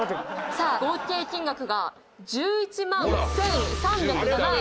さあ合計金額が１１万１３０７円。